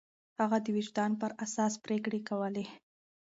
هغه د وجدان پر اساس پرېکړې کولې.